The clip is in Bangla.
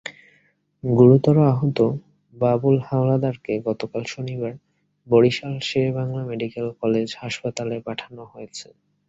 গুরুতর আহত বাবুল হাওলাদারকে গতকাল শনিবার বরিশাল শেরেবাংলা মেডিকেল কলেজ হাসপাতালে পাঠানো হয়েছে।